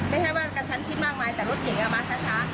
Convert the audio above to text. ไม่แค่ว่าการชั้นชิดมากมายแต่รถถึงอ่ะมาช้าช้า